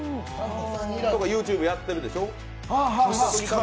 ＹｏｕＴｕｂｅやってるでしょう。